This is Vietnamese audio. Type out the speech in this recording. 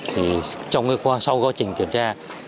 thì sau quá trình kiểm tra